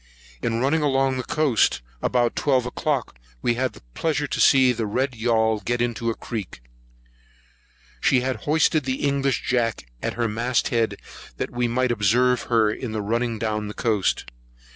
In running along the coast, about twelve o'clock, we had the pleasure to see the red yaul get into a creek. She had hoisted an English jack at her mast head, that we might observe her in running down the coast.